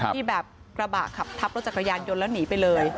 ที่แบบกระบะขับทับรถจักรยานยนต์แล้วหนีไปเลย